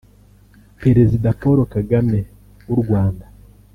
Perezida Paul Kagame w’u Rwanda